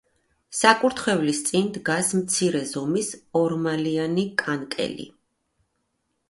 საკურთხევლის წინ დგას მცირე ზომის ორმალიანი კანკელი.